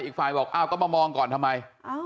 อีกฝ่ายบอกอ้าวก็มามองก่อนทำไม